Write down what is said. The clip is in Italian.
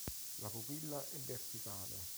La pupilla è verticale.